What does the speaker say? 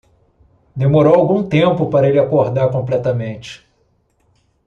Demorou algum tempo para ele acordar completamente.